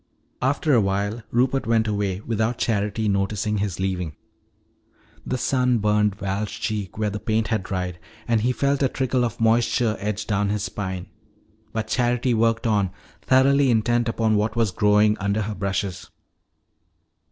After a while Rupert went away without Charity noticing his leaving. The sun burned Val's cheek where the paint had dried and he felt a trickle of moisture edge down his spine. But Charity worked on, thoroughly intent upon what was growing under her brushes.